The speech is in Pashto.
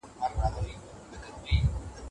د خلیفه په رنګ